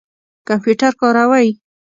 کمپیوټر کاروئ؟